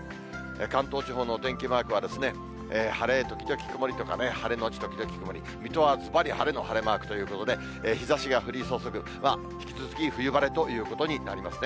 関東地方のお天気マークは、晴れ時々曇りとかね、晴れ後時々曇り、水戸はずばり晴れの晴れマークということで、日ざしが降り注ぐ、引き続き冬晴れということになりますね。